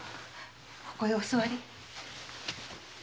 ここへお座り。